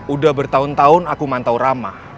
udah bertahun tahun aku mantau rama